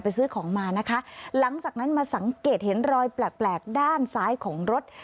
ซื้อของมานะคะหลังจากนั้นมาสังเกตเห็นรอยแปลกแปลกด้านซ้ายของรถ